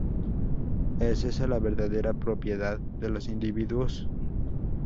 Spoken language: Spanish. Es esa la verdadera propiedad de los individuos.